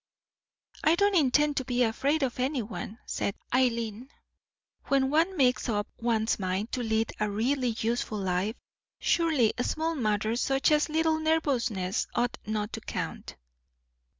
"I don't intend to be afraid of anyone," said Eileen. "When one makes up one's mind to lead a really useful life, surely small matters, such as little nervousnesses, ought not to count."